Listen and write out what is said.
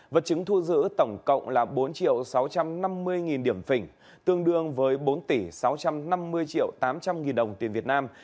vật chứng thu giữ tổng cộng là bốn sáu trăm năm mươi điểm phỉnh tương đương với bốn sáu trăm năm mươi tám trăm linh đồng tiền việt nam